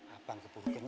abang keburu kenyang